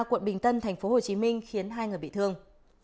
quận bình tân tp hcm khiến hai người bị thương